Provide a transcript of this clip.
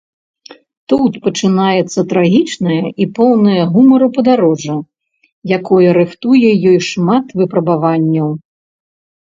Тут пачынаецца трагічнае і поўнае гумару падарожжа, якое рыхтуе ёй шмат выпрабаванняў.